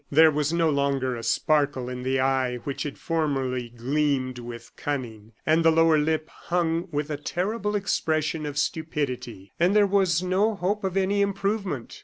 There was no longer a sparkle in the eye which had formerly gleamed with cunning, and the lower lip hung with a terrible expression of stupidity. And there was no hope of any improvement.